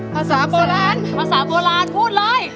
ภาษาโบราณภาษาโบราณพูดเลย